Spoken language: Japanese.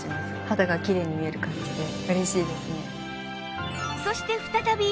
肌がきれいに見える感じで嬉しいですね。